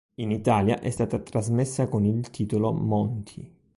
In Italia è stata trasmessa con il titolo "Monty".